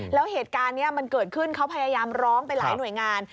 แล้วเหตุการณ์นี้มันเกิดขึ้นเขาพยายามร้องไปหลายหน่วยงาน